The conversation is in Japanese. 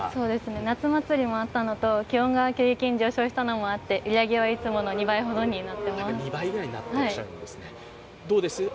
夏祭りがあったことと気温が高かったこともあって売り上げはいつもの２倍ほどになっています。